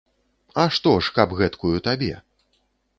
А што ж, каб гэткую табе.